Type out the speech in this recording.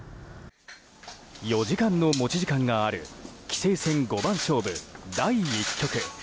４時間の持ち時間がある棋聖戦五番勝負第１局。